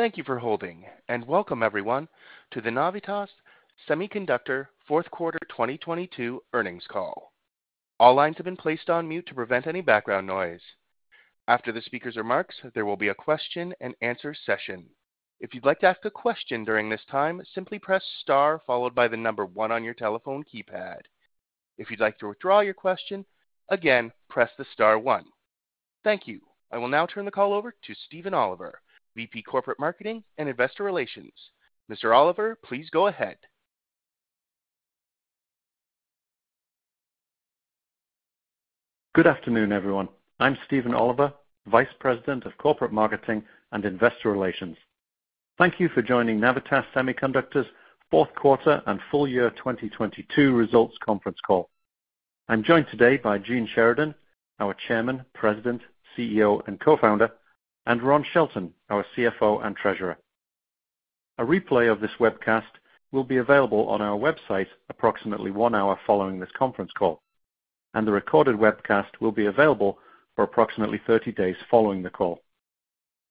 Thank you for holding, and welcome everyone to the Navitas Semiconductor fourth quarter 2022 earnings call. All lines have been placed on mute to prevent any background noise. After the speaker's remarks, there will be a question-and-answer session. If you'd like to ask a question during this time, simply press star followed by the number one on your telephone keypad. If you'd like to withdraw your question, again, press the star one. Thank you. I will now turn the call over to Stephen Oliver, VP Corporate Marketing and Investor Relations. Mr. Oliver, please go ahead. Good afternoon, everyone. I'm Stephen Oliver, Vice President of Corporate Marketing and Investor Relations. Thank you for joining Navitas Semiconductor's fourth quarter and full year 2022 results conference call. I'm joined today by Gene Sheridan, our Chairman, President, CEO, and Co-founder, and Ron Shelton, our CFO and Treasurer. A replay of this webcast will be available on our website approximately 1 hour following this conference call. The recorded webcast will be available for approximately 30 days following the call.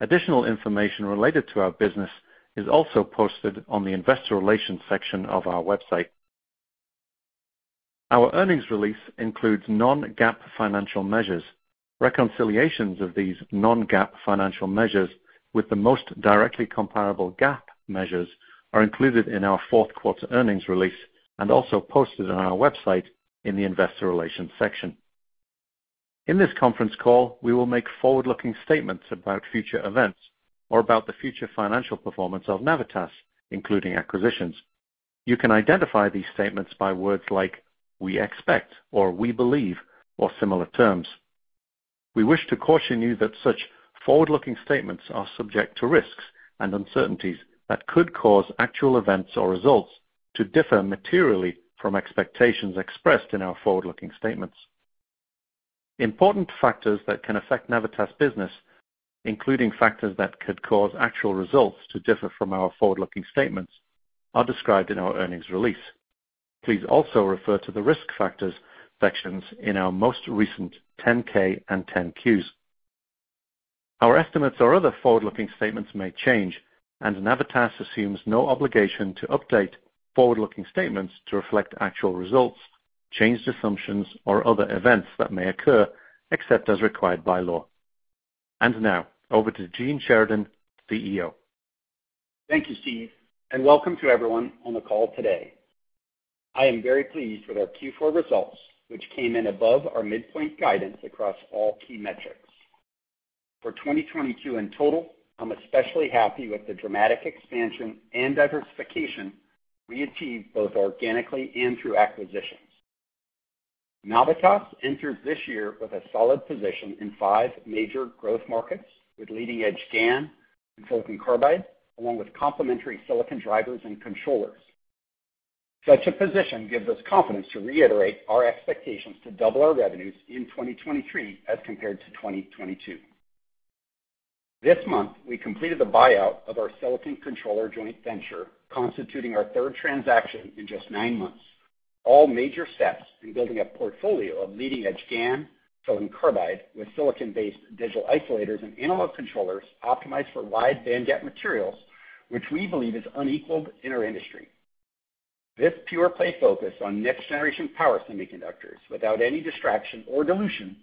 Additional information related to our business is also posted on the investor relations section of our website. Our earnings release includes non-GAAP financial measures. Reconciliations of these non-GAAP financial measures with the most directly comparable GAAP measures are included in our fourth quarter earnings release and also posted on our website in the investor relations section. In this conference call, we will make forward-looking statements about future events or about the future financial performance of Navitas, including acquisitions. You can identify these statements by words like "we expect," or "we believe," or similar terms. We wish to caution you that such forward-looking statements are subject to risks and uncertainties that could cause actual events or results to differ materially from expectations expressed in our forward-looking statements. Important factors that can affect Navitas business, including factors that could cause actual results to differ from our forward-looking statements, are described in our earnings release. Please also refer to the Risk Factors sections in our most recent 10-K and 10-Qs. Our estimates or other forward-looking statements may change, and Navitas assumes no obligation to update forward-looking statements to reflect actual results, changed assumptions, or other events that may occur, except as required by law. Now, over to Gene Sheridan, CEO. Thank you, Steve. Welcome to everyone on the call today. I am very pleased with our Q4 results, which came in above our midpoint guidance across all key metrics. For 2022 in total, I'm especially happy with the dramatic expansion and diversification we achieved both organically and through acquisitions. Navitas entered this year with a solid position in five major growth markets with leading-edge GaN and silicon carbide, along with complementary silicon drivers and controllers. Such a position gives us confidence to reiterate our expectations to double our revenues in 2023 as compared to 2022. This month, we completed the buyout of our silicon controller joint venture, constituting our third transaction in just nine months. All major steps in building a portfolio of leading-edge GaN, Silicon Carbide with silicon-based digital isolators and analog controllers optimized for wide bandgap materials, which we believe is unequaled in our industry. This pure play focus on next-generation power semiconductors without any distraction or dilution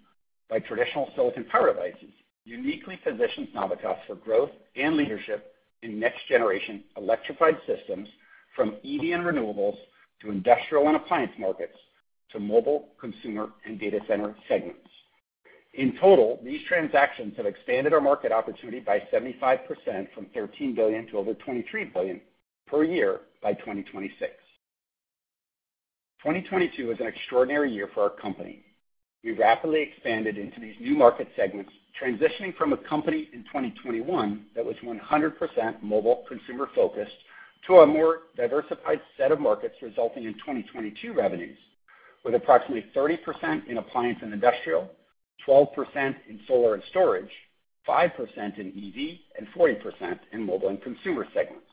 by traditional silicon power devices, uniquely positions Navitas for growth and leadership in next-generation electrified systems, from EV and renewables, to industrial and appliance markets, to mobile, consumer, and data center segments. In total, these transactions have expanded our market opportunity by 75% from $13 billion to over $23 billion per year by 2026. 2022 was an extraordinary year for our company. We rapidly expanded into these new market segments, transitioning from a company in 2021 that was 100% mobile consumer-focused to a more diversified set of markets, resulting in 2022 revenues, with approximately 30% in appliance and industrial, 12% in solar and storage, 5% in EV, and 40% in mobile and consumer segments.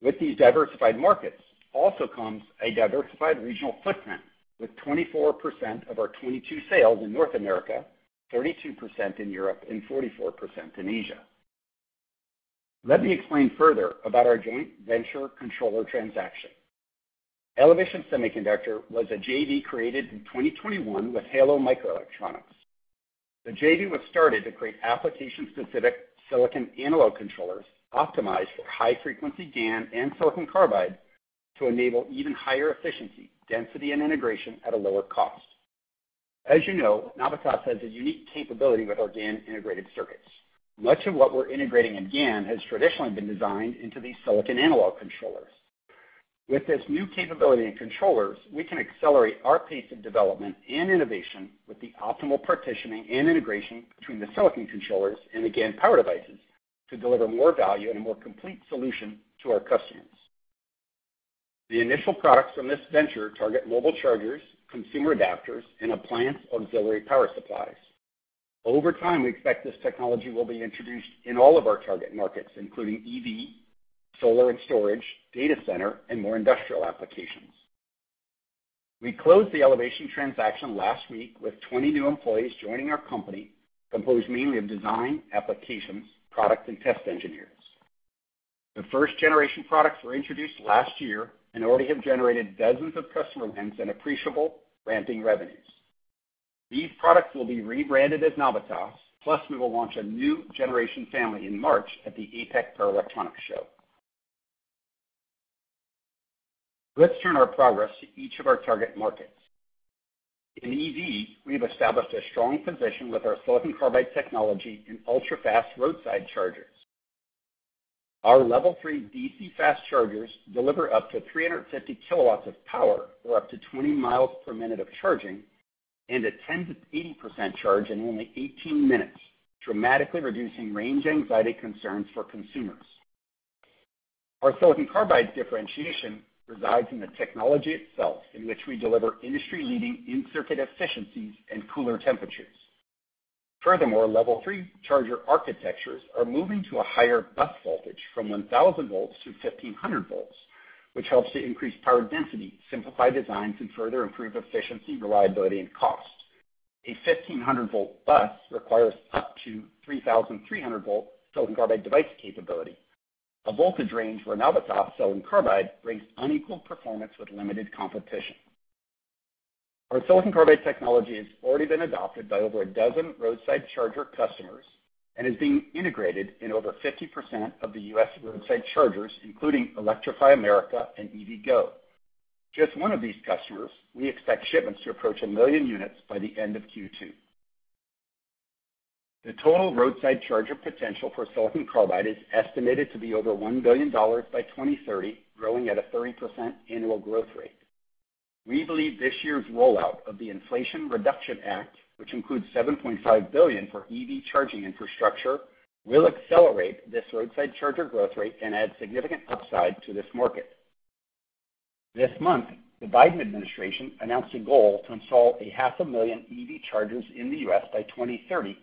With these diversified markets also comes a diversified regional footprint, with 24% of our 2022 sales in North America, 32% in Europe, and 44% in Asia. Let me explain further about our joint venture controller transaction. Elevation Semiconductor was a JV created in 2021 with Halo Microelectronics. The JV was started to create application-specific silicon analog controllers optimized for high-frequency GaN and silicon carbide to enable even higher efficiency, density, and integration at a lower cost. As you know, Navitas has a unique capability with our GaN integrated circuits. Much of what we're integrating in GaN has traditionally been designed into these silicon analog controllers. With this new capability in controllers, we can accelerate our pace of development and innovation with the optimal partitioning and integration between the silicon controllers and the GaN power devices to deliver more value and a more complete solution to our customers. The initial products from this venture target mobile chargers, consumer adapters, and appliance auxiliary power supplies. Over time, we expect this technology will be introduced in all of our target markets, including EV, solar and storage, data center, and more industrial applications. We closed the Elevation transaction last week with 20 new employees joining our company, composed mainly of design, applications, product, and test engineers. The first-generation products were introduced last year and already have generated dozens of customer wins and appreciable ramping revenues. These products will be rebranded as Navitas plus we will launch a new generation family in March at the APEC Power Electronics Show. Let's turn our progress to each of our target markets. In EV, we have established a strong position with our silicon carbide technology in ultra-fast roadside chargers. Our level three DC fast chargers deliver up to 350 kW of power or up to 20 mi per minute of charging and a 10%-80% charge in only 18 minutes, dramatically reducing range anxiety concerns for consumers. Our silicon carbide differentiation resides in the technology itself, in which we deliver industry-leading in-circuit efficiencies and cooler temperatures. Level three charger architectures are moving to a higher bus voltage from 1,000 volts to 1,500 volts, which helps to increase power density, simplify designs, and further improve efficiency, reliability, and cost. A 1,500-volt bus requires up to 3,300-volt silicon carbide device capability. A voltage range where Navitas silicon carbide brings unequal performance with limited competition. Our silicon carbide technology has already been adopted by over a dozen roadside charger customers and is being integrated in over 50% of the U.S. roadside chargers, including Electrify America and EVgo. Just one of these customers, we expect shipments to approach 1 million units by the end of Q2. The total roadside charger potential for silicon carbide is estimated to be over $1 billion by 2030, growing at a 30% annual growth rate. We believe this year's rollout of the Inflation Reduction Act, which includes $7.5 billion for EV charging infrastructure, will accelerate this roadside charger growth rate and add significant upside to this market. This month, the Biden administration announced a goal to install half a million EV chargers in the U.S. by 2030,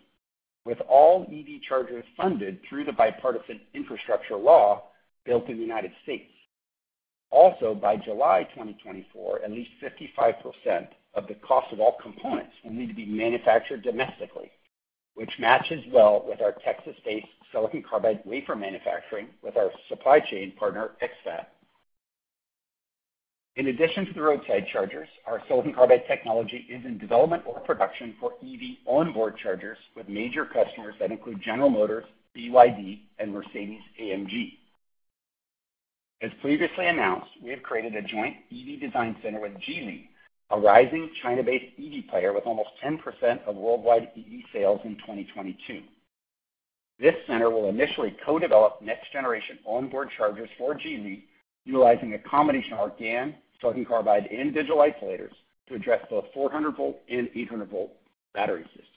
with all EV chargers funded through the Bipartisan Infrastructure Law built in the United States. By July 2024, at least 55% of the cost of all components will need to be manufactured domestically, which matches well with our Texas-based silicon carbide wafer manufacturing with our supply chain partner, X-FAB. In addition to the roadside chargers, our silicon carbide technology is in development or production for EV onboard chargers with major customers that include General Motors, BYD, and Mercedes-AMG. As previously announced, we have created a joint EV design center with Geely, a rising China-based EV player with almost 10% of worldwide EV sales in 2022. This center will initially co-develop next-generation onboard chargers for Geely, utilizing a combination of our GaN, silicon carbide, and digital isolators to address both 400 volt and 800 volt battery systems.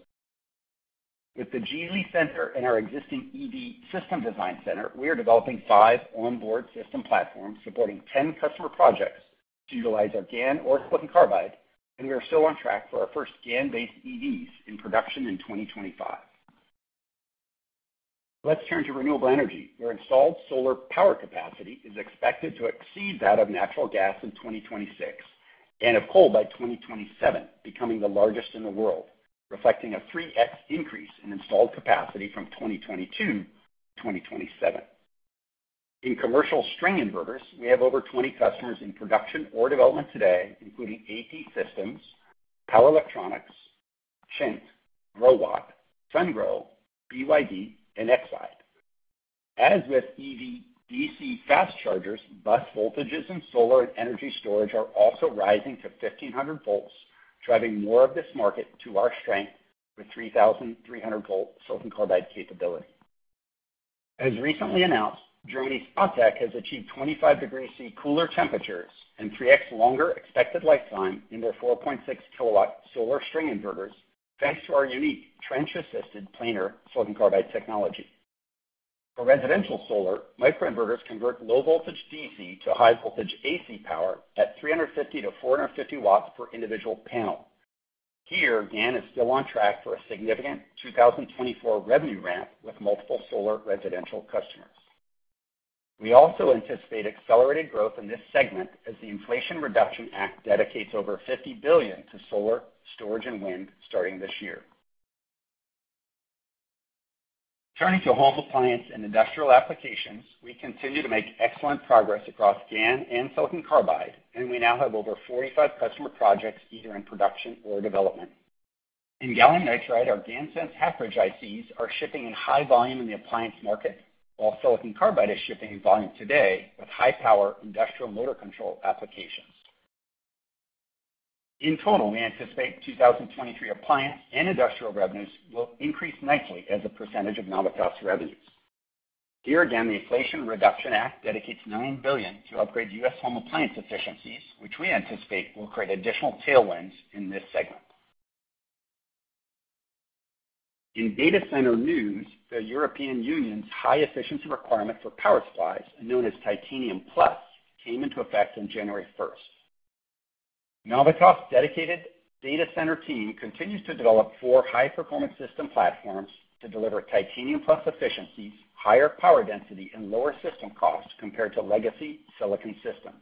With the Geely Center and our existing EV system design center, we are developing 5 onboard system platforms supporting 10 customer projects to utilize our GaN or silicon carbide, and we are still on track for our first GaN-based EVs in production in 2025. Let's turn to renewable energy, where installed solar power capacity is expected to exceed that of natural gas in 2026 and of coal by 2027, becoming the largest in the world, reflecting a 3x increase in installed capacity from 2022 to 2027. In commercial string inverters, we have over 20 customers in production or development today, including AP Systems, Power Electronics, CHINT, Growatt, Sungrow, BYD, and Exide. As with EV DC fast chargers, bus voltages in solar and energy storage are also rising to 1,500 volts, driving more of this market to our strength with 3,300-volt silicon carbide capability. As recently announced, GeonisiC tech has achieved 25 degrees Celsius cooler temperatures and 3x longer expected lifetime in their 4.6 kilowatt solar string inverters, thanks to our unique Trench-Assisted Planar silicon carbide technology. For residential solar, microinverters convert low-voltage DC to high-voltage AC power at 350-450 W per individual panel. Here, GaN is still on track for a significant 2024 revenue ramp with multiple solar residential customers. We also anticipate accelerated growth in this segment as the Inflation Reduction Act dedicates over $50 billion to solar, storage, and wind starting this year. Turning to home appliance and industrial applications, we continue to make excellent progress across GaN and silicon carbide, and we now have over 45 customer projects either in production or development. In gallium nitride, our GaNSense half-bridge ICs are shipping in high volume in the appliance market, while silicon carbide is shipping in volume today with high-power industrial motor control applications. In total, we anticipate 2023 appliance and industrial revenues will increase nicely as a percentage of Navitas' revenues. Here again, the Inflation Reduction Act dedicates $9 billion to upgrade U.S. home appliance efficiencies, which we anticipate will create additional tailwinds in this segment. In data center news, the European Union's high-efficiency requirement for power supplies, known as Titanium Plus, came into effect on January 1st. Navitas' dedicated data center team continues to develop four high-performance system platforms to deliver Titanium Plus efficiencies, higher power density, and lower system costs compared to legacy silicon systems.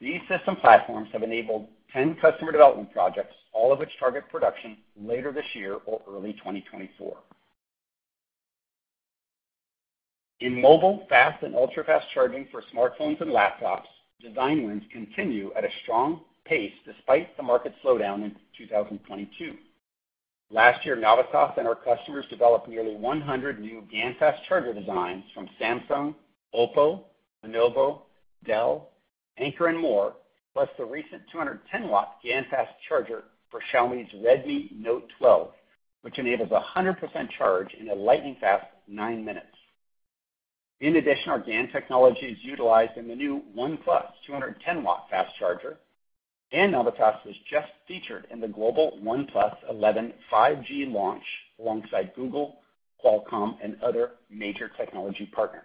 These system platforms have enabled 10 customer development projects, all of which target production later this year or early 2024. In mobile, fast and ultra-fast charging for smartphones and laptops, design wins continue at a strong pace despite the market slowdown in 2022. Last year, Navitas and our customers developed nearly 100 new GaNFast charger designs from Samsung, OPPO, Lenovo, Dell, Anker, and more, plus the recent 210 W GaNFast charger for Xiaomi's Redmi Note 12, which enables a 100% charge in a lightning-fast nine minutes. In addition, our GaN technology is utilized in the new OnePlus 210 W fast charger, and Navitas was just featured in the global OnePlus 11 5G launch alongside Google, Qualcomm, and other major technology partners.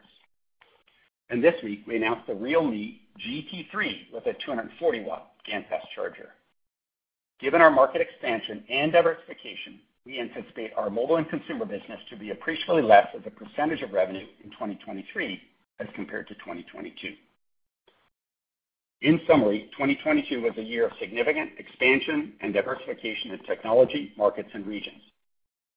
This week, we announced the Realme GT3 with a 240 W GaNFast charger. Given our market expansion and diversification, we anticipate our mobile and consumer business to be appreciably less as a percentage of revenue in 2023 as compared to 2022. In summary, 2022 was a year of significant expansion and diversification of technology, markets, and regions.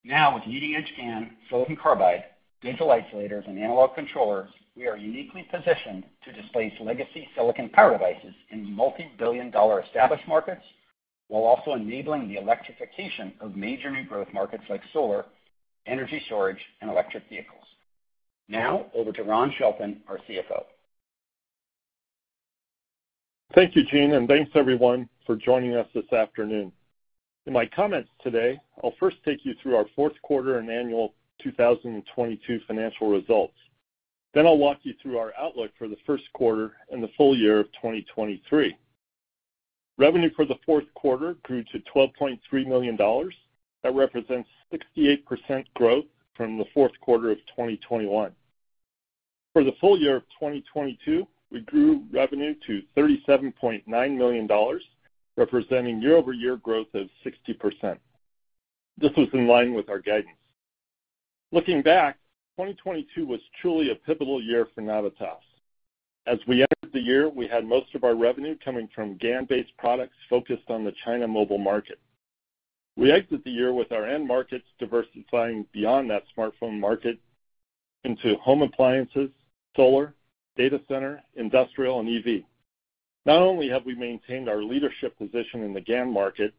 With leading-edge GaN, silicon carbide, digital isolators, and analog controllers, we are uniquely positioned to displace legacy silicon power devices in multi-billion-dollar established markets while also enabling the electrification of major new growth markets like solar, energy storage, and electric vehicles. Over to Ron Shelton, our CFO. Thank you, Gene, and thanks, everyone, for joining us this afternoon. In my comments today, I'll first take you through our fourth quarter and annual 2022 financial results. I'll walk you through our outlook for the first quarter and the full year of 2023. Revenue for the fourth quarter grew to $12.3 million. That represents 68% growth from the fourth quarter of 2021. For the full year of 2022, we grew revenue to $37.9 million, representing year-over-year growth of 60%. This was in line with our guidance. Looking back, 2022 was truly a pivotal year for Navitas. As we ended the year, we had most of our revenue coming from GaN-based products focused on the China mobile market. We exited the year with our end markets diversifying beyond that smartphone market into home appliances, solar, data center, industrial, and EV. Not only have we maintained our leadership position in the GaN market,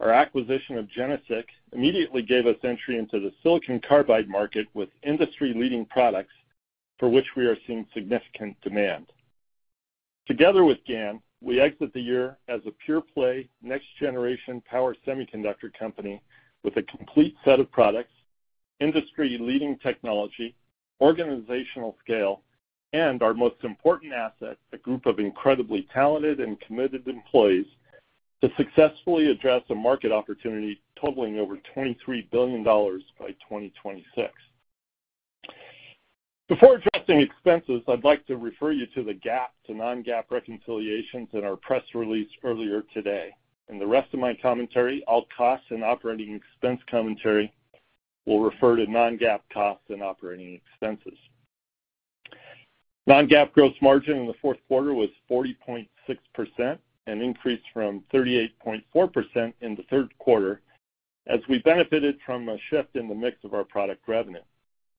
our acquisition of GeneSiC immediately gave us entry into the silicon carbide market with industry-leading products for which we are seeing significant demand. Together with GaN, we exit the year as a pure-play, next-generation power semiconductor company with a complete set of products, industry-leading technology, organizational scale, and our most important asset, a group of incredibly talented and committed employees to successfully address a market opportunity totaling over $23 billion by 2026. Before addressing expenses, I'd like to refer you to the GAAP to non-GAAP reconciliations in our press release earlier today. In the rest of my commentary, all costs and operating expense commentary will refer to non-GAAP costs and operating expenses. Non-GAAP gross margin in the fourth quarter was 40.6%, an increase from 38.4% in the third quarter, as we benefited from a shift in the mix of our product revenue.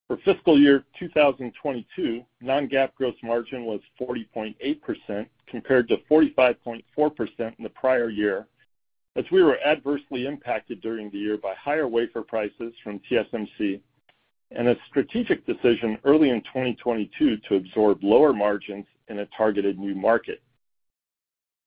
For fiscal year 2022, non-GAAP gross margin was 40.8% compared to 45.4% in the prior year, as we were adversely impacted during the year by higher wafer prices from TSMC and a strategic decision early in 2022 to absorb lower margins in a targeted new market.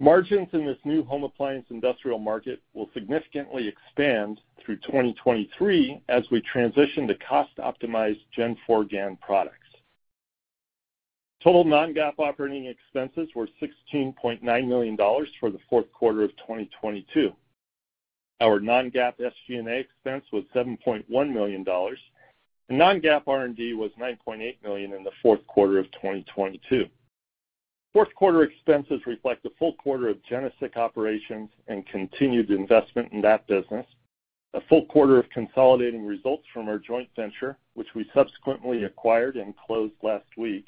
Margins in this new home appliance industrial market will significantly expand through 2023 as we transition to cost-optimized Gen-4 GaN products. Total non-GAAP operating expenses were $16.9 million for the fourth quarter of 2022. Our non-GAAP SG&A expense was $7.1 million, and non-GAAP R&D was $9.8 million in the fourth quarter of 2022. Fourth quarter expenses reflect a full quarter of GeneSiC operations and continued investment in that business, a full quarter of consolidating results from our joint venture, which we subsequently acquired and closed last week.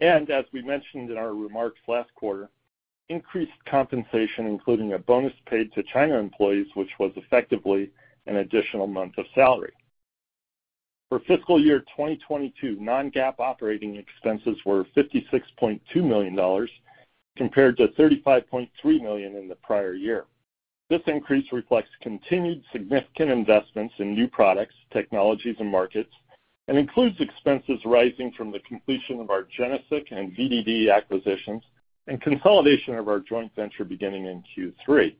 As we mentioned in our remarks last quarter, increased compensation, including a bonus paid to China employees, which was effectively an additional month of salary. For fiscal year 2022, non-GAAP operating expenses were $56.2 million, compared to $35.3 million in the prior year. This increase reflects continued significant investments in new products, technologies, and markets, and includes expenses rising from the completion of our GeneSiC and VDD acquisitions and the consolidation of our joint venture beginning in Q3.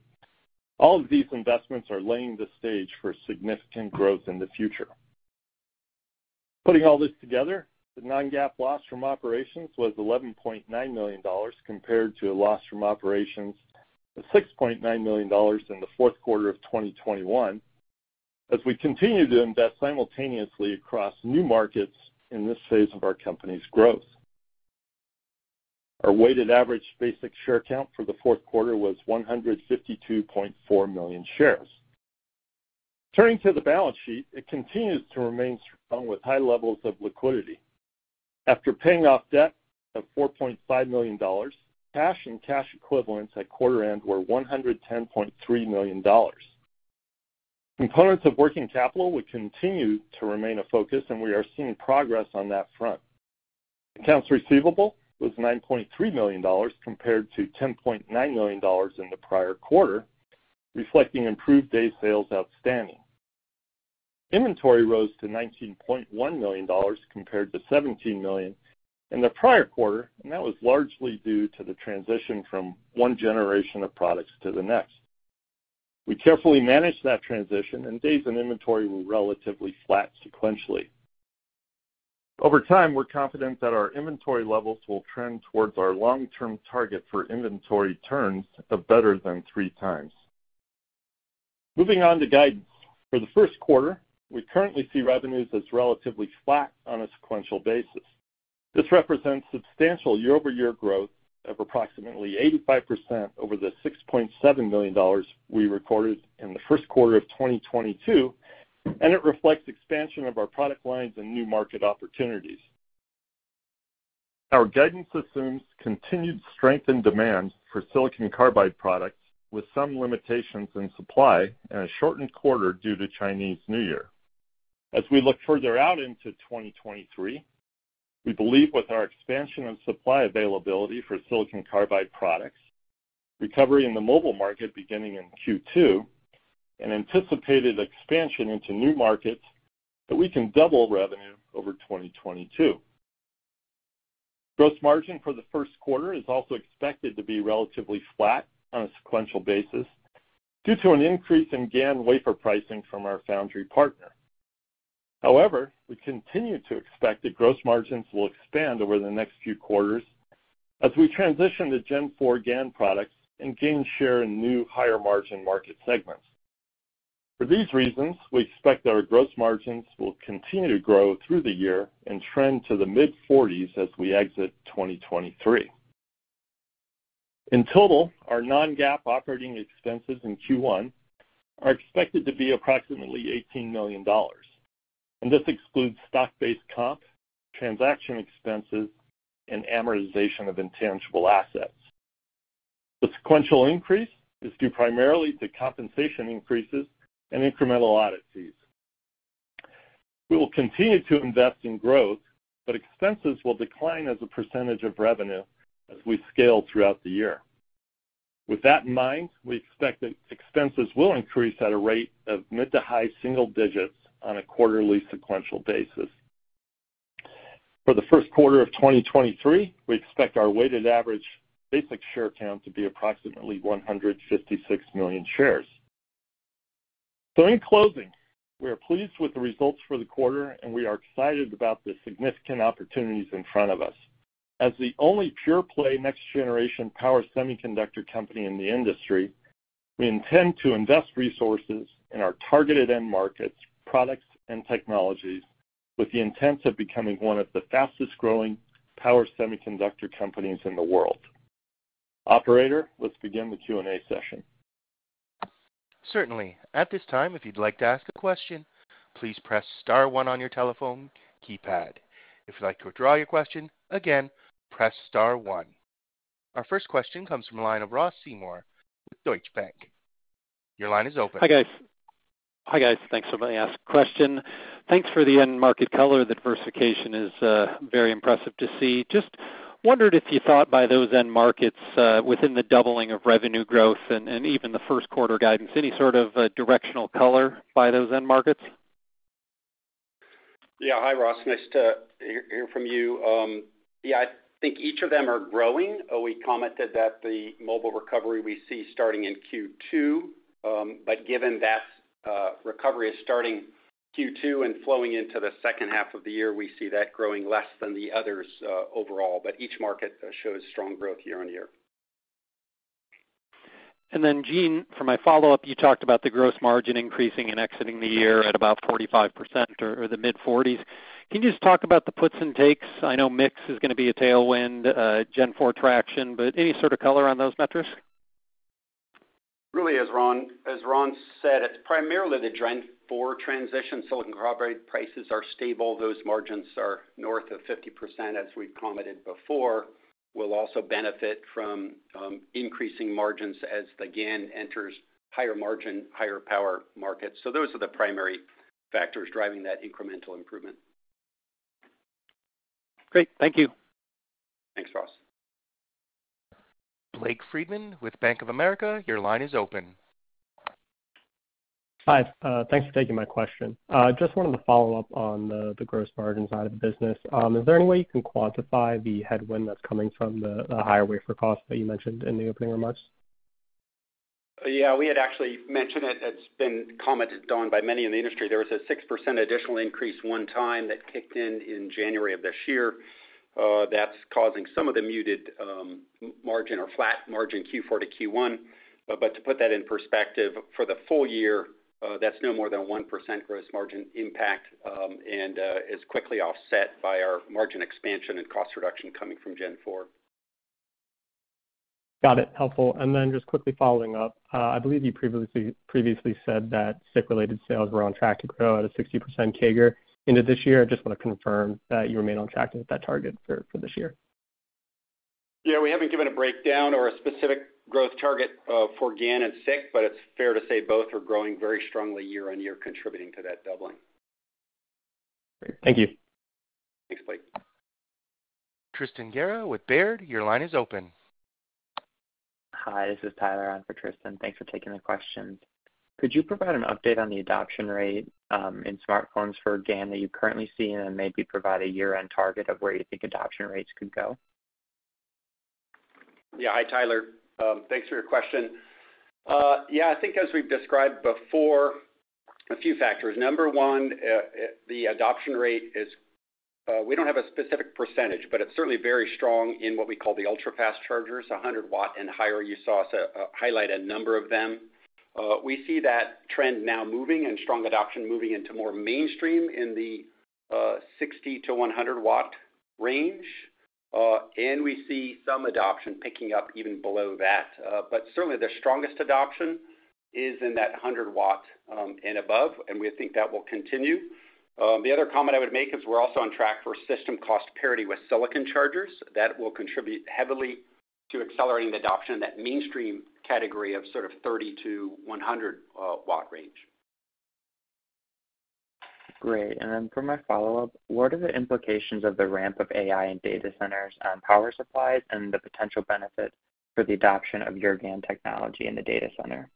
All of these investments are laying the stage for significant growth in the future. Putting all this together, the non-GAAP loss from operations was $11.9 million, compared to a loss from operations of $6.9 million in the fourth quarter of 2021, as we continue to invest simultaneously across new markets in this phase of our company's growth. Our weighted average basic share count for the fourth quarter was 152.4 million shares. Turning to the balance sheet, it continues to remain strong with high levels of liquidity. After paying off debt of $4.5 million, cash and cash equivalents at quarter's end were $110.3 million. Components of working capital would continue to remain a focus, and we are seeing progress on that front. Accounts receivable was $9.3 million compared to $10.9 million in the prior quarter, reflecting improved day sales outstanding. Inventory rose to $19.1 million compared to $17 million in the prior quarter. That was largely due to the transition from one generation of products to the next. We carefully managed that transition. Days in inventory were relatively flat sequentially. Over time, we're confident that our inventory levels will trend towards our long-term target for inventory turns of better than three times. Moving on to guidance. For the first quarter, we currently see revenues as relatively flat on a sequential basis. This represents substantial year-over-year growth of approximately 85% over the $6.7 million we recorded in the first quarter of 2022. It reflects expansion of our product lines and new market opportunities. Our guidance assumes continued strength and demand for silicon carbide products with some limitations in supply and a shortened quarter due to Chinese New Year. As we look further out into 2023, we believe with our expansion of supply availability for silicon carbide products, recovery in the mobile market beginning in Q2, and anticipated expansion into new markets that we can double revenue over 2022. Gross margin for the first quarter is also expected to be relatively flat on a sequential basis due to an increase in GaN wafer pricing from our foundry partner. However, we continue to expect that gross margins will expand over the next few quarters as we transition to Gen-4 GaN products and gain share in new higher-margin market segments. For these reasons, we expect our gross margins will continue to grow through the year and trend to the mid-forties as we exit 2023. In total, our non-GAAP operating expenses in Q1 are expected to be approximately $18 million. This excludes stock-based comp, transaction expenses, and amortization of intangible assets. The sequential increase is due primarily to compensation increases and incremental audit fees. We will continue to invest in growth. Expenses will decline as a percentage of revenue as we scale throughout the year. With that in mind, we expect that expenses will increase at a rate of mid to high single digits on a quarterly sequential basis. For the first quarter of 2023, we expect our weighted average basic share count to be approximately 156 million shares. In closing, we are pleased with the results for the quarter, and we are excited about the significant opportunities in front of us. As the only pure play next-generation power semiconductor company in the industry, we intend to invest resources in our targeted end markets, products, and technologies with the intent of becoming one of the fastest-growing power semiconductor companies in the world. Operator, let's begin the Q&A session. Certainly. At this time, if you'd like to ask a question, please press star one on your telephone keypad. If you'd like to withdraw your question, again, press star one. Our first question comes from the line of Ross Seymore with Deutsche Bank. Your line is open. Hi, guys. Thanks. Somebody ask a question. Thanks for the end market color. The diversification is very impressive to see. Just wondered if you thought by those end markets within the doubling of revenue growth and even the first quarter guidance, any sort of directional color by those end markets? Hi, Ross. Nice to hear from you. I think each of them are growing. We commented that the mobile recovery we see starting in Q2, given that recovery is starting Q2 and flowing into the second half of the year, we see that growing less than the others overall, but each market shows strong growth year-on-year. Then Gene, for my follow-up, you talked about the gross margin increasing and exiting the year at about 45% or the mid-40s. Can you just talk about the puts and takes? I know mix is gonna be a tailwind, Gen-4 traction, but any sort of color on those metrics? Really, as Ron said, it's primarily the Gen-4 transition. silicon carbide prices are stable. Those margins are north of 50%, as we've commented before. We'll also benefit from increasing margins as the GaN enters higher margin, higher power markets. Those are the primary factors driving that incremental improvement. Great. Thank you. Thanks, Ross. Blake Friedman with Bank of America, your line is open. Hi. Thanks for taking my question. Just wanted to follow up on the gross margin side of the business. Is there any way you can quantify the headwind that's coming from the higher wafer cost that you mentioned in the opening remarks? Yeah, we had actually mentioned it. It's been commented on by many in the industry. There was a 6% additional increase one time that kicked in in January of this year, that's causing some of the muted, margin or flat margin Q4 to Q1. To put that in perspective, for the full year, that's no more than 1% gross margin impact, and is quickly offset by our margin expansion and cost reduction coming from Gen-4. Got it. Helpful. Just quickly following up, I believe you previously said that SiC related sales were on track to grow at a 60% CAGR into this year. I just want to confirm that you remain on track with that target for this year? Yeah, we haven't given a breakdown or a specific growth target for GaN and SiC, but it's fair to say both are growing very strongly year-on-year contributing to that doubling. Thank you. Thanks, Blake. Tristan Gerra with Baird, your line is open. Hi, this is Tyler on for Tristan. Thanks for taking the questions. Could you provide an update on the adoption rate in smart grid for GaN that you currently see and then maybe provide a year-end target of where you think adoption rates could go? Yeah. Hi, Tyler. Thanks for your question. Yeah, I think as we've described before, a few factors. Number one, the adoption rate is we don't have a specific percentage, but it's certainly very strong in what we call the ultra-fast chargers, 100 W and higher. You saw us highlight a number of them. We see that trend now moving and strong adoption moving into more mainstream in the 60-100 W range. We see some adoption picking up even below that. Certainly, the strongest adoption is in that 100 W and above, and we think that will continue. The other comment I would make is we're also on track for system cost parity with silicon chargers. That will contribute heavily to accelerating the adoption in that mainstream category of sort of 30-100 W range. Great. For my follow-up, what are the implications of the ramp of AI in data centers on power supplies and the potential benefits for the adoption of your GaN technology in the data center?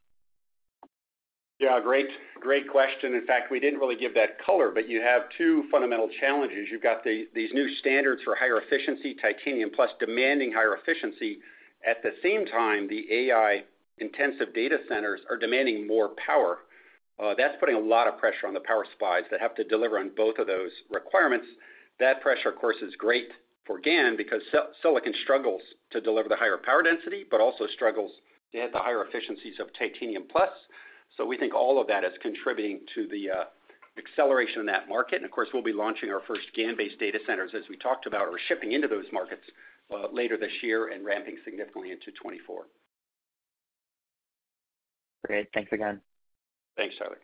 Great question. In fact, we didn't really give that color. You have two fundamental challenges. You've got these new standards for higher efficiency, Titanium Plus demanding higher efficiency. At the same time, the AI-intensive data centers are demanding more power. That's putting a lot of pressure on the power supplies that have to deliver on both of those requirements. That pressure, of course, is great for GaN because silicon struggles to deliver the higher power density, but also struggles to hit the higher efficiencies of Titanium Plus. We think all of that is contributing to the acceleration in that market. Of course, we'll be launching our first GaN-based data centers as we talked about or shipping into those markets later this year and ramping significantly into 2024. Great. Thanks again. Thanks, Tyler.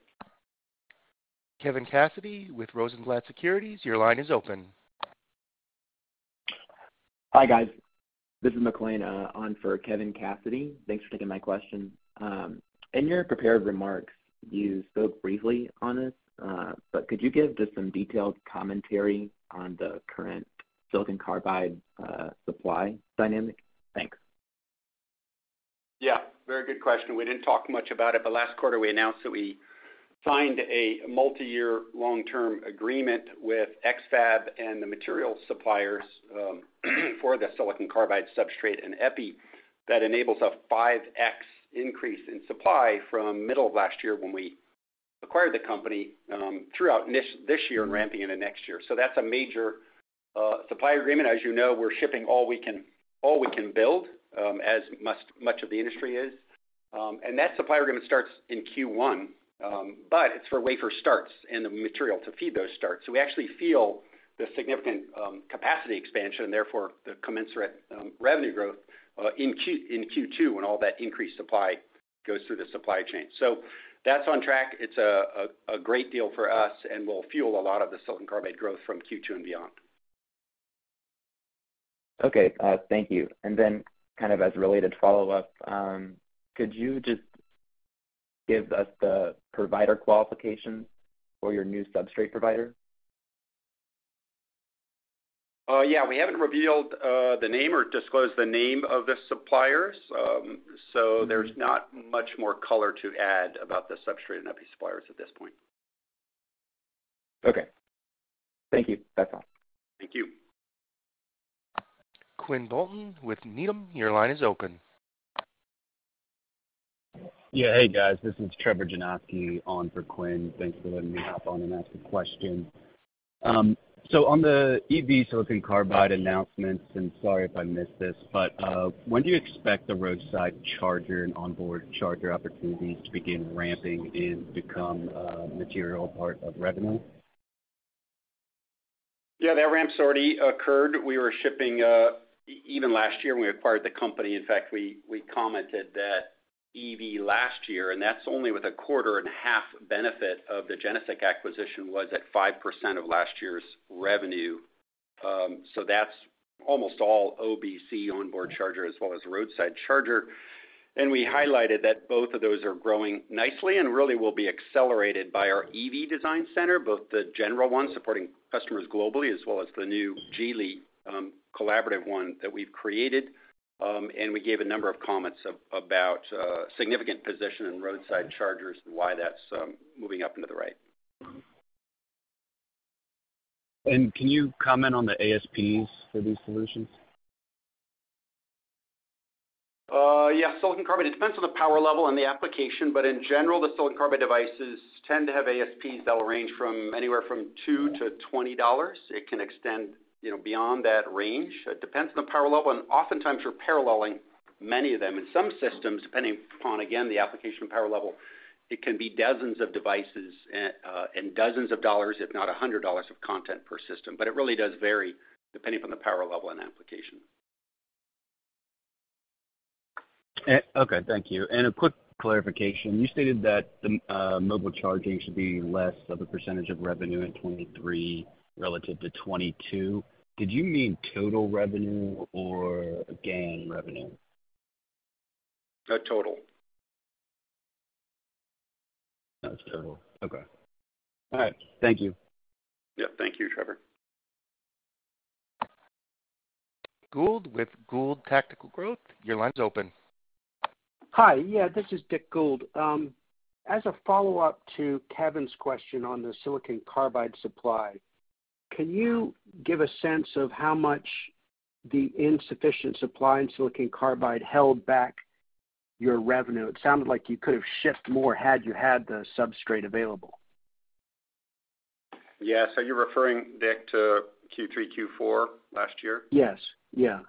Kevin Cassidy with Rosenblatt Securities, your line is open. Hi, guys. This is McClain, on for Kevin Cassidy. Thanks for taking my question. In your prepared remarks, you spoke briefly on this, could you give just some detailed commentary on the current silicon carbide supply dynamic? Thanks. Very good question. We didn't talk much about it, but last quarter we announced that we signed a multi-year long-term agreement with X-FAB and the material suppliers for the silicon carbide substrate and epi that enables a 5x increase in supply from middle of last year when we acquired the company throughout this year and ramping into next year. That's a major supply agreement. As you know, we're shipping all we can build, as much of the industry is. That supply agreement starts in Q1, but it's for wafer starts and the material to feed those starts. We actually feel the significant capacity expansion and therefore the commensurate revenue growth in Q2 when all that increased supply goes through the supply chain. That's on track. It's a great deal for us and will fuel a lot of the silicon carbide growth from Q2 and beyond. Okay. Thank you. Kind of as a related follow-up, could you just give us the provider qualifications for your new substrate provider? Yeah, we haven't revealed the name or disclosed the name of the suppliers. There's not much more color to add about the substrate and epi suppliers at this point. Okay. Thank you. That's all. Thank you. Quinn Bolton with Needham, your line is open. Yeah. Hey, guys, this is Trevor Janoski on for Quinn. Thanks for letting me hop on and ask a question. On the EV silicon carbide announcements, and sorry if I missed this, but, when do you expect the roadside charger and onboard charger opportunities to begin ramping and become a material part of revenue? Yeah, that ramp's already occurred. We were shipping even last year when we acquired the company. In fact, we commented that EV last year, and that's only with a quarter and a half benefit of the GeneSiC acquisition, was at 5% of last year's revenue. That's almost all the OBC onboard charger as well as roadside charger. And we highlighted that both of those are growing nicely and really will be accelerated by our EV design center, both the general one supporting customers globally as well as the new Geely collaborative one that we've created. We gave a number of comments about significant position in roadside chargers and why that's moving up into the right. Can you comment on the ASPs for these solutions? Silicon carbide, it depends on the power level and the application. In general, the silicon carbide devices tend to have ASPs that will range from anywhere from $2-$20. It can extend beyond that range. It depends on the power level, and oftentimes you're paralleling many of them. In some systems, depending upon, again, the application power level, it can be dozens of devices and dozens of dollars, if not $100 of content per system. It really does vary depending on the power level and application. Okay. Thank you. A quick clarification. You stated that the mobile charging should be less of a percentage of revenue in 2023 relative to 2022. Did you mean total revenue or GaN revenue? Total. Total. Okay. All right. Thank you. Yeah, thank you, Trevor. Gould with Gould Tactical Growth, your line's open. Hi. Yeah, this is Dick Gould. As a follow-up to Kevin's question on the silicon carbide supply, can you give a sense of how much the insufficient supply in silicon carbide held back your revenue? It sounded like you could have shipped more had you had the substrate available. Yes. Are you referring, Dick, to Q3 and Q4 last year? Yes. Yeah.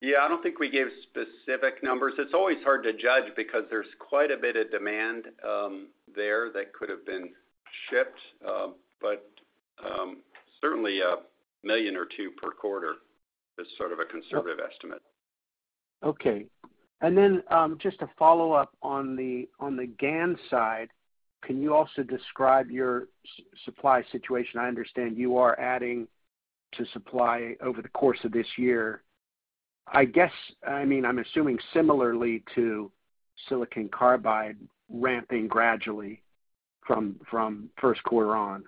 Yeah. I don't think we gave specific numbers. It's always hard to judge because there's quite a bit of demand there that could have been shipped. Certainly, $1 million or $2 million per quarter is sort of a conservative estimate. Okay. Just to follow up on the, on the GaN side, can you also describe your supply situation? I understand you are adding to supply over the course of this year. I mean, I'm assuming similarly to silicon carbide ramping gradually from first quarter on.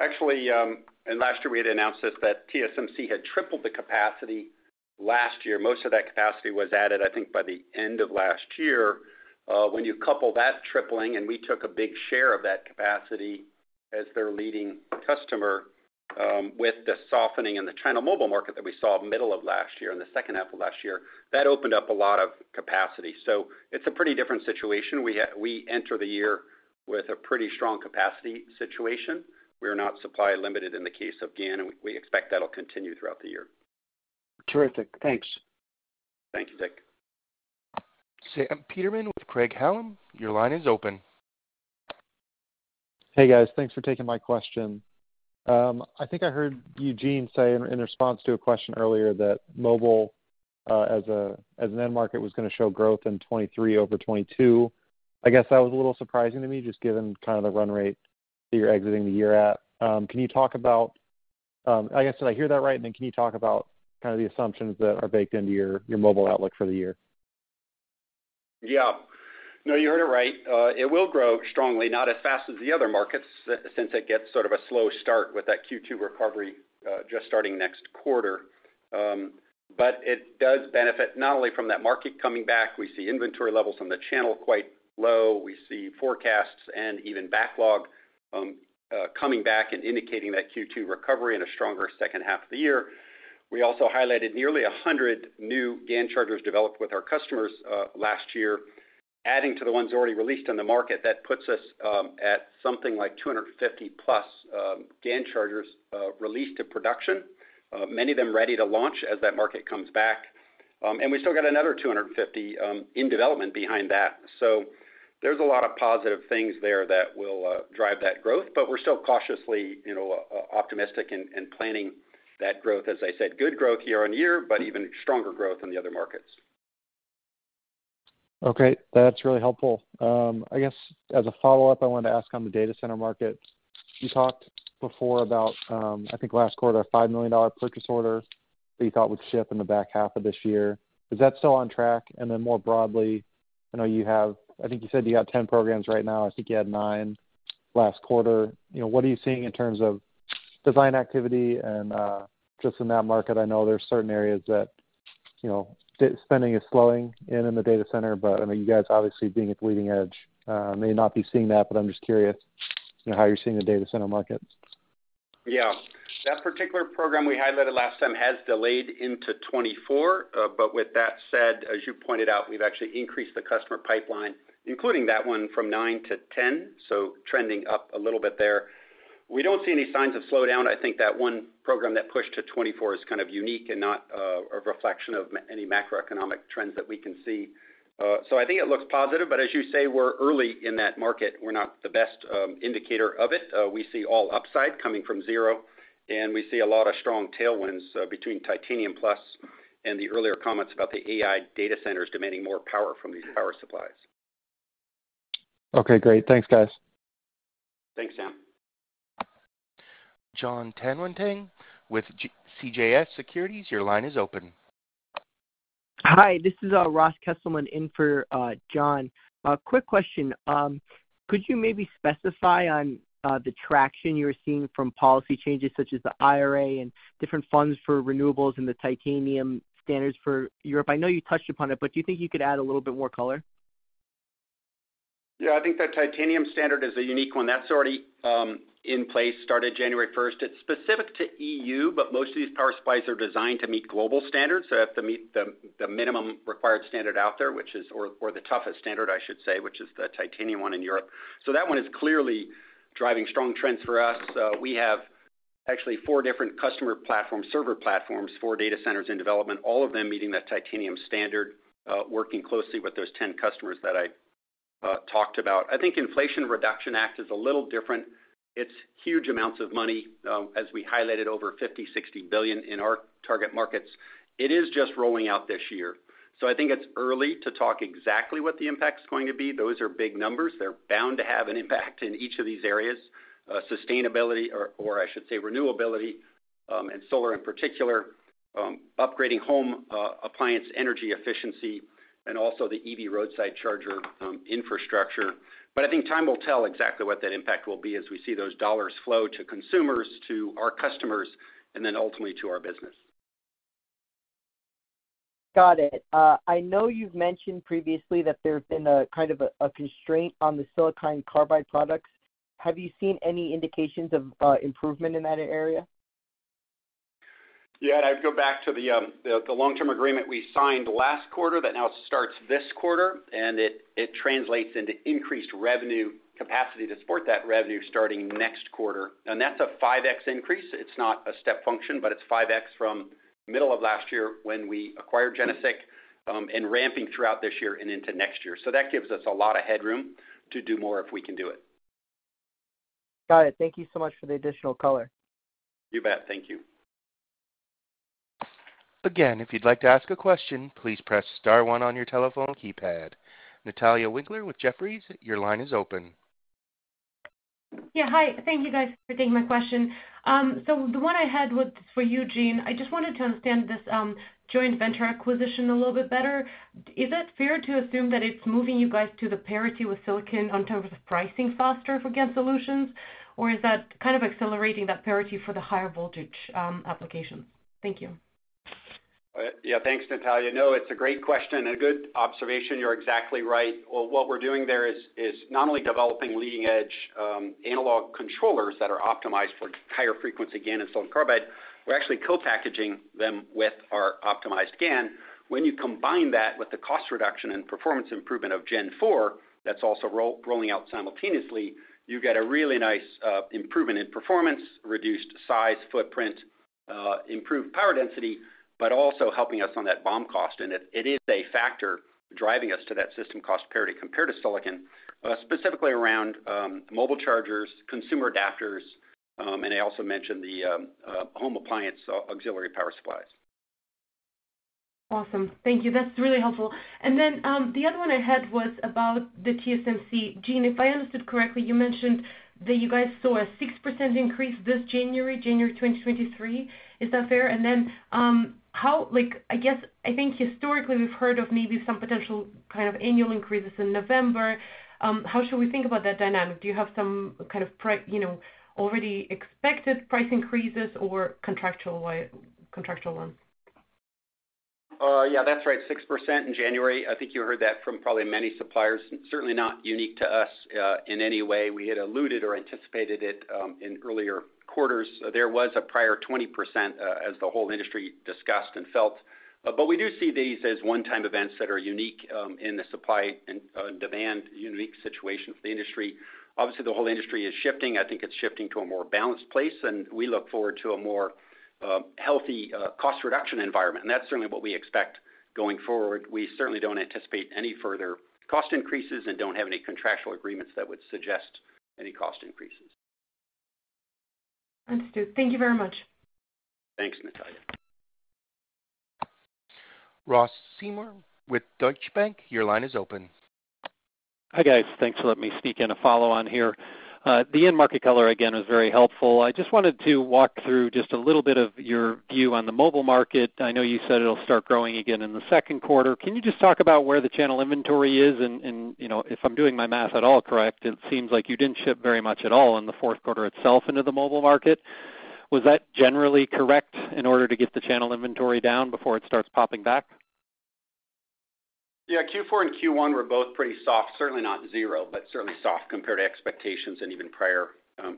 Actually, last year we had announced this, that TSMC had tripled the capacity last year. Most of that capacity was added, I think by the end of last year. When you couple that tripling, and we took a big share of that capacity as their leading customer, with the softening in the China mobile market that we saw middle of last year, in the second half of last year, that opened up a lot of capacity. It's a pretty different situation. We enter the year with a pretty strong capacity situation. We are not supply limited in the case of GaN, and we expect that'll continue throughout the year. Terrific. Thanks. Thank you, Dick. Sam Peterman with Craig-Hallum, your line is open. Hey, guys. Thanks for taking my question. I think I heard Eugene say in response to a question earlier that mobile as an end market was gonna show growth in 2023 over 2022. I guess that was a little surprising to me, just given kind of the run rate that you're exiting the year at. Can you talk about, I guess, did I hear that right? Then can you talk about kind of the assumptions that are baked into your mobile outlook for the year? Yeah. No, you heard it right. It will grow strongly, not as fast as the other markets since it gets sort of a slow start with that Q2 recovery, just starting next quarter. It does benefit not only from that market coming back. We see inventory levels from the channel quite low. We see forecasts and even backlog coming back and indicating that Q2 recovery and a stronger second half of the year. We also highlighted nearly 100 new GaN chargers developed with our customers last year, adding to the ones already released on the market. That puts us at something like 250+ GaN chargers released to production, many of them ready to launch as that market comes back. We still got another 250 in development behind that. There's a lot of positive things there that will drive that growth, but we're still cautiously, you know, optimistic and planning that growth. As I said, good growth year-over-year, but even stronger growth in the other markets. Okay. That's really helpful. I guess as a follow-up, I wanted to ask on the data center market, you talked before about, I think last quarter, a $5 million purchase order that you thought would ship in the back half of this year. Is that still on track? More broadly, I know, I think you said you have 10 programs right now. I think you had nine last quarter. You know, what are you seeing in terms of design activity and just in that market? I know there's certain areas that, you know, spending is slowing in the data center, but I know you guys obviously being at the leading-edge, may not be seeing that, but I'm just curious, you know, how you're seeing the data center markets. Yeah. That particular program we highlighted last time has delayed into 2024. With that said, as you pointed out, we've actually increased the customer pipeline, including that one from nine to 10, so trending up a little bit there. We don't see any signs of slowdown. I think that one program that pushed to 2024 is kind of unique and not a reflection of any macroeconomic trends that we can see. I think it looks positive, as you say, we're early in that market. We're not the best indicator of it. We see all upside coming from zero, and we see a lot of strong tailwinds between Titanium Plus and the earlier comments about the AI data centers demanding more power from these power supplies. Okay, great. Thanks, guys. Thanks, Sam. Jonathan Tanwanteng with CJS Securities, your line is open. Hi, this is Ross Kesselman in for Jon. Quick question. Could you maybe specify on the traction you're seeing from policy changes such as the IRA and different funds for renewables, and the Titanium standards for Europe? I know you touched upon it, but do you think you could add a little bit more color? Yeah. I think that the Titanium standard is a unique one. That's already in place, started January 1st. It's specific to the EU, but most of these power supplies are designed to meet global standards. They have to meet the minimum required standard out there, which is the toughest standard, I should say, which is the Titanium one in Europe. That one is clearly driving strong trends for us. We have actually four different customer platform, server platforms for data centers in development, all of them meeting that Titanium standard, working closely with those 10 customers that I mentioned. talked about. I think Inflation Reduction Act is a little different. It's huge amounts of money, as we highlighted over $50 billion-$60 billion in our target markets. It is just rolling out this year. I think it's early to talk exactly what the impact is going to be. Those are big numbers. They're bound to have an impact in each of these areas. Sustainability or I should say renewability, and solar in particular, upgrading home, appliance energy efficiency, and also the EV roadside charger, infrastructure. I think time will tell exactly what that impact will be as we see those dollars flow to consumers, to our customers, and then ultimately to our business. Got it. I know you've mentioned previously that there's been a kind of a constraint on the silicon carbide products. Have you seen any indications of improvement in that area? Yeah. I'd go back to the long-term agreement we signed last quarter that now starts this quarter, and it translates into increased revenue capacity to support that revenue starting next quarter. That's a 5x increase. It's not a step function, but it's 5x from middle of last year when we acquired GeneSiC and ramping throughout this year and into next year. That gives us a lot of headroom to do more if we can do it. Got it. Thank you so much for the additional color. You bet. Thank you. If you'd like to ask a question, please press star one on your telephone keypad. Natalia Winkler with Jefferies, your line is open. Yeah, hi. Thank you guys for taking my question. The one I had was for you, Gene. I just wanted to understand this joint venture acquisition a little bit better. Is it fair to assume that it's moving you guys to the parity with silicon on terms of pricing faster for GaN Solutions, or is that kind of accelerating that parity for the higher voltage applications? Thank you. Yeah, thanks, Natalia. No, it's a great question and a good observation. You're exactly right. Well, what we're doing there is not only developing leading-edge analog controllers that are optimized for higher frequency GaN and silicon carbide. We're actually co-packaging them with our optimized GaN. When you combine that with the cost reduction and performance improvement of Gen-4, that's also rolling out simultaneously, you get a really nice improvement in performance, reduced size footprint, improved power density, but also helping us on that BOM cost. It is a factor driving us to that system cost parity compared to silicon, specifically around mobile chargers, consumer adapters, and I also mentioned the home appliance auxiliary power supplies. Awesome. Thank you. That's really helpful. The other one I had was about the TSMC. Gene, if I understood correctly, you mentioned that you guys saw a 6% increase this January 2023. Is that fair? How like I guess I think historically we've heard of maybe some potential kind of annual increases in November. How should we think about that dynamic? Do you have some kind of you know, already expected price increases or contractual contractual ones? Yeah, that's right. 6% in January. I think you heard that from probably many suppliers, and certainly not unique to us, in any way. We had alluded or anticipated it in earlier quarters. There was a prior 20% as the whole industry discussed and felt. We do see these as one-time events that are unique in the supply and demand unique situation for the industry. Obviously, the whole industry is shifting. I think it's shifting to a more balanced place, and we look forward to a more healthy cost reduction environment. That's certainly what we expect going forward. We certainly don't anticipate any further cost increases and don't have any contractual agreements that would suggest any cost increases. Understood. Thank you very much. Thanks, Natalia. Ross Seymore with Deutsche Bank, your line is open. Hi, guys. Thanks for letting me sneak in a follow on here. The end market color again was very helpful. I just wanted to walk through just a little bit of your view on the mobile market. I know you said it'll start growing again in the second quarter. Can you just talk about where the channel inventory is? You know, if I'm doing my math at all correct, it seems like you didn't ship very much at all in the fourth quarter itself into the mobile market. Was that generally correct in order to get the channel inventory down before it starts popping back? Yeah. Q4 and Q1 were both pretty soft, certainly not zero, but certainly soft compared to expectations and even prior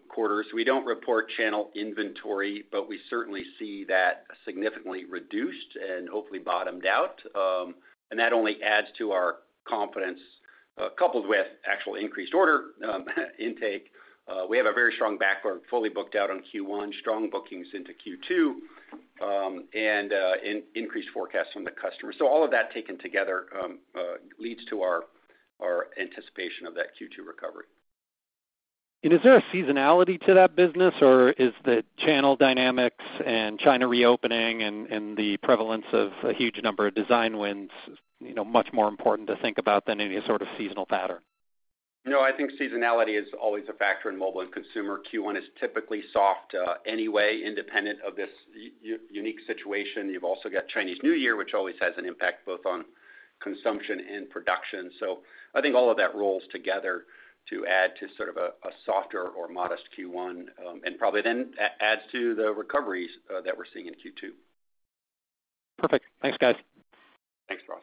quarters. We don't report channel inventory, but we certainly see that significantly reduced and hopefully bottomed out. That only adds to our confidence, coupled with actual increased order intake. We have a very strong backload, fully booked out on Q1, strong bookings into Q2, and increased forecast from the customer. All of that taken together leads to our anticipation of that Q2 recovery. Is there a seasonality to that business, or is the channel dynamics and China reopening and the prevalence of a huge number of design wins, you know, much more important to think about than any sort of seasonal pattern? I think seasonality is always a factor in mobile and consumer. Q1 is typically soft, anyway, independent of this unique situation. You've also got Chinese New Year, which always has an impact both on consumption and production. I think all of that rolls together to add to sort of a softer or modest Q1, and probably then adds to the recoveries that we're seeing in Q2. Perfect. Thanks, guys. Thanks, Ross.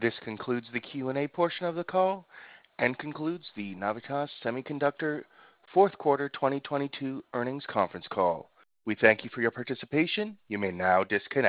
This concludes the Q&A portion of the call and concludes the Navitas Semiconductor fourth quarter 2022 earnings conference call. We thank you for your participation. You may now disconnect.